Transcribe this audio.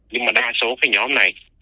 nhưng mà đa số cái nhóm này